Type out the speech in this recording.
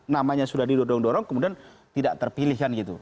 namanya sudah didorong dorong kemudian tidak terpilihkan gitu